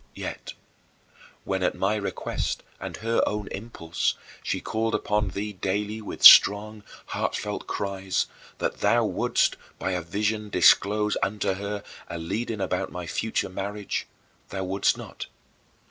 Yet, when, at my request and her own impulse, she called upon thee daily with strong, heartfelt cries, that thou wouldst, by a vision, disclose unto her a leading about my future marriage, thou wouldst not.